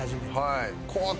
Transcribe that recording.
はい。